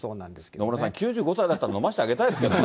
野村さん、９５才だったら飲ましてあげたいですけどね。